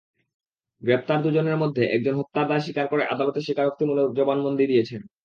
গ্রেপ্তার দুজনের মধ্যে একজন হত্যার দায় স্বীকার করে আদালতে স্বীকারোক্তিমূলক জবানবন্দি দিয়েছেন।